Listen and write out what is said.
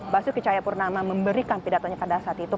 basur kicayapurnama memberikan pidatonya pada saat itu